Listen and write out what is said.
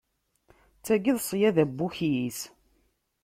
D tagi i d ṣṣyada n wukyis!